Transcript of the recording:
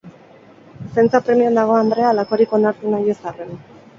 Zaintza premian dago andrea halakorik onartu nahi ez arren.